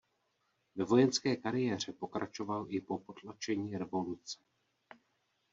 Ve vojenské kariéře pokračoval i po potlačení revoluce.